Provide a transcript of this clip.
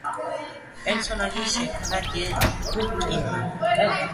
პერსონაჟი შექმნა ჯეფ კინმა.